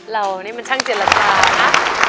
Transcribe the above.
เรานี่มันช่างเจรจานะ